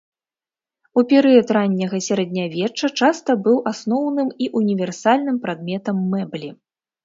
У перыяд ранняга сярэднявечча часта быў асноўным і універсальным прадметам мэблі.